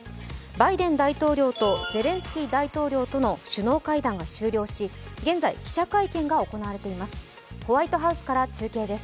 バイデン大統領とゼレンスキー大統領との首脳会談が終了し、現在、記者会見が行われています。